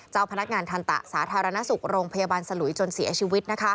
เจ้าพนักงานทันตะสาธารณสุขโรงพยาบาลสลุยจนเสียชีวิต